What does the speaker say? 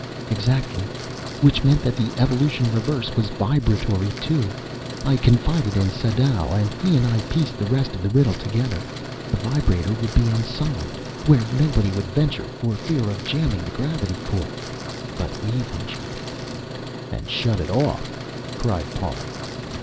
"Exactly. Which meant that the evolution reverse was vibratory, too. I confided in Sadau, and he and I pieced the rest of the riddle together. The vibrator would be inside, where nobody would venture for fear of jamming the gravity core but we ventured " "And shut it off!" cried Parr.